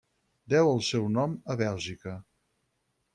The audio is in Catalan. Deu el seu nom a Bèlgica.